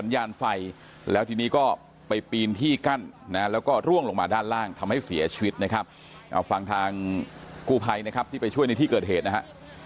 ยาศชีวิตนะครับเอาฟังทางกูไพรนะครับที่ไปช่วยในที่เกิดเหตุนะฮะ